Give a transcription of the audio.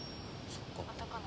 そっか。